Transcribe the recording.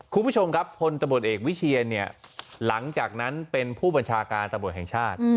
คุณผู้ชมครับพลตำรวจเอกวิเชียนเนี่ยหลังจากนั้นเป็นผู้บัญชาการตำรวจแห่งชาติ